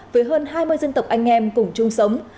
với hơn hai mươi dân tộc anh em cùng chung sống